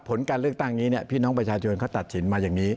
ผลการเลือกตั้งนี้พี่น้องประชาชนเขาตัดสินมาอย่างนี้